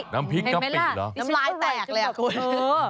น้ำพริกน้ำพริกเหรอน้ำลายแตกเลยอ่ะคุณ